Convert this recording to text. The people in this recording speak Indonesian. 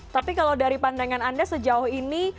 tapi kalau dari pandangan anda sejauh ini